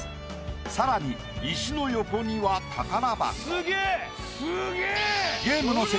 更に石の横には宝箱。